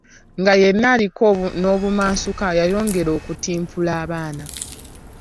Nga yenna aliko n’obumansuka yayongera okutimpula abaana.